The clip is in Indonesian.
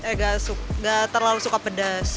eh gak terlalu suka pedas